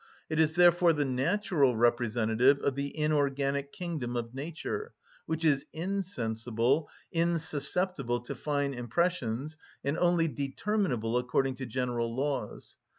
It is therefore the natural representative of the inorganic kingdom of nature, which is insensible, insusceptible to fine impressions, and only determinable according to general laws.